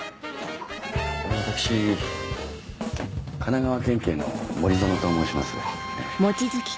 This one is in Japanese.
私神奈川県警の森園と申します。